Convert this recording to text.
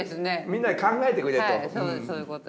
みんなで考えてくれと。